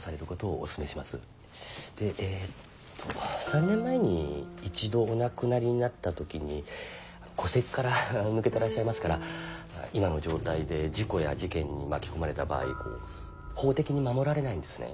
でえっと３年前に一度お亡くなりになった時に戸籍から抜けてらっしゃいますから今の状態で事故や事件に巻き込まれた場合法的に守られないんですね。